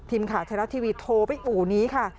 ทีมข่าวไทยรัฐทีวีโทรไปอู่นี้ค่ะ